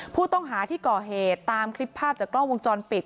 ผู้ต้องหาที่ก่อเหตุตามคลิปภาพจากกล้องวงจรปิด